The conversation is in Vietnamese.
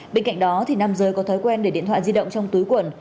bên cạnh đó nam giới có thói quen để điện thoại di động trong túi quần